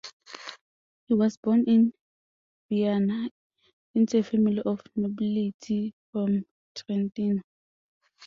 He was born in Vienna into a family of nobility from Trentino.